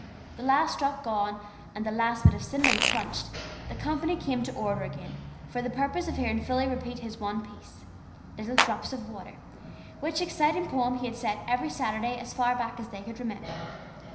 The last drop gone, and the last bit of cinnamon crunched, the company came to order again, for the purpose of hearing Philly repeat his one piece, "Little drops of water," which exciting poem he had said every Saturday as far back as they could remember.